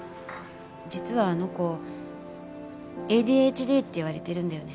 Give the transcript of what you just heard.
実はあの子ＡＤＨＤって言われてるんだよね。